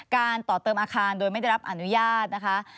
ต่อเติมอาคารโดยไม่ได้รับอนุญาตนะคะ